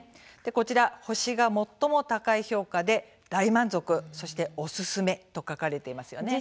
こちら、星が最も高い評価で「大満足」そして「おすすめ」と書かれていますよね。